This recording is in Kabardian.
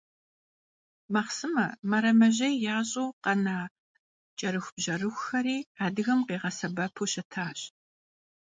Махъсымэ, мэрэмэжьей ящӀу къэна кӀэрыхубжьэрыхухэри адыгэм къигъэсэбэпу щытащ.